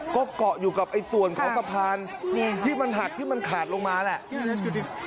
ก็เกาะอยู่กับส่วนของสะพานที่มันหักที่มันขาดลงมาแหละ